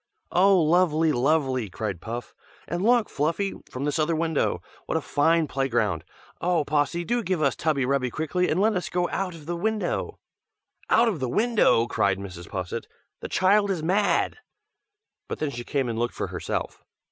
"Oh! lovely, lovely!" cried Puff. "And look, Fluffy, from this other window. What a fine play ground! Oh! Possy, do give us tubby rubby quickly, and let us get out of the window!" "Out of the window!" cried Mrs. Posset; "The child is mad!" but then she came and looked for herself.